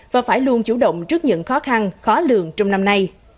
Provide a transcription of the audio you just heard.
và phải luôn chủ động trước những khó khăn khó lường trong năm nay